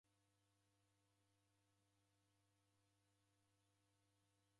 Nasikire nicha nendanywa w'ughanga.